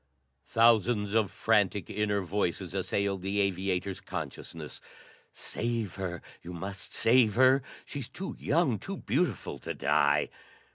Thousands of frantic inner voices assailed the aviator's consciousness. "Save her! You must save her! She's too young, too beautiful to die!"